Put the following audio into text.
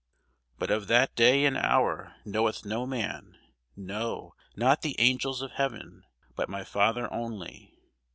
But of that day and hour knoweth no man, no, not the angels of heaven, but my Father only.